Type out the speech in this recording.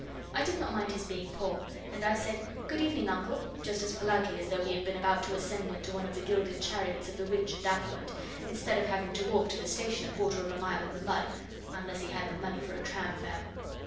I did not mind his being poor, and I said, 'Good evening, Uncle,' just as politely as though he had been about to ascend into one of the gilded chariots of the rich and affluent, instead of having to walk to the station a quarter of a mile in the mud, unless he had the money for a tram fare.